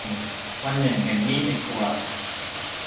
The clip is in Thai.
วันหนึ่งเห็นมีดในครัว